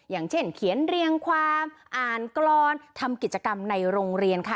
อย่างเช่นเขียนเรียงความอ่านกรอนทำกิจกรรมในโรงเรียนค่ะ